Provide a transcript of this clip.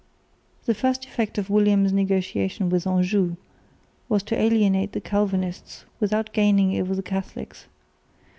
The first effect of William's negotiations with Anjou was to alienate the Calvinists without gaining over the Catholics.